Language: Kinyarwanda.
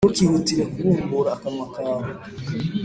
Ntukihutire kubumbura akanwa kawe